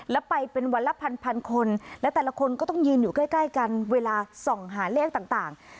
แล้วไปเป็นวันละพันพันคนและแต่ละคนก็ต้องยืนอยู่ใกล้กันเวลาส่องหาเลขต่าง